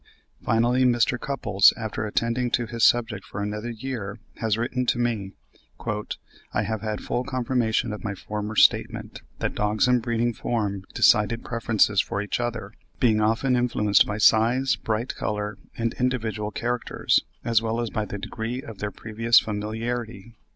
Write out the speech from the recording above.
Finally, Mr. Cupples, after attending to this subject for another year, has written to me, "I have had full confirmation of my former statement, that dogs in breeding form decided preferences for each other, being often influenced by size, bright colour, and individual characters, as well as by the degree of their previous familiarity."